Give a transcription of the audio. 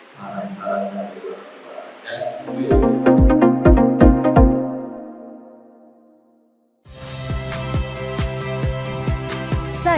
saran saran dari orang tua